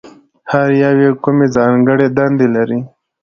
هر یو یې کومې ځانګړې دندې لري؟